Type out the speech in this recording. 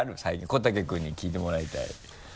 小竹君に聞いてもらいたい。